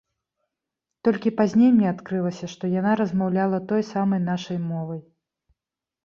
Толькі пазней мне адкрылася, што яна размаўляла той самай нашай мовай.